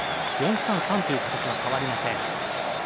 ４−３−３という形は変わりません。